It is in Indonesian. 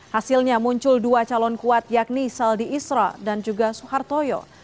hasilnya muncul dua calon kuat yakni saldi isra dan juga soehartoyo